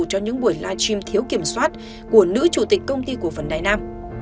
cho những buổi live stream thiếu kiểm soát của nữ chủ tịch công ty cổ phần đài nam